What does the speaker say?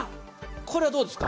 これはどうですか？